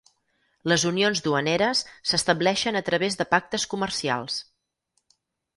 Les unions duaneres s'estableixen a través de pactes comercials.